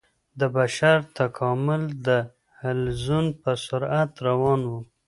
د بشر تکامل د حلزون په سرعت روان و.